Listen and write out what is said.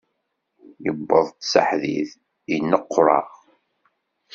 Iwweḍ s aḥdid, inneqwṛa.